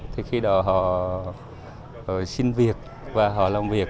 thì khi đó họ xin việc và họ làm việc